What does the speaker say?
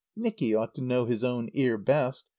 "Nicky ought to know his own ear best.